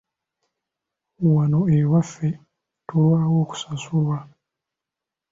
Wano ewaffe tulwawo okusasulwa.